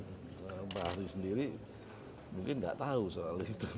kalau fahri sendiri mungkin tidak tahu soal itu